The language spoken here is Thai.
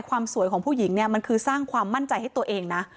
ความสวยของผู้หญิงเนี่ยมันคือสร้างความมั่นใจให้ตัวเองนะ